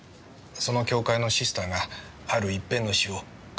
その教会のシスターがある一編の詩を彼に詠ませた。